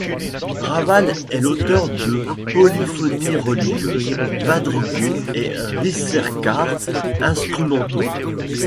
Raval est l'auteur de polyphonies religieuses, madrigaux et ricercares instrumentaux.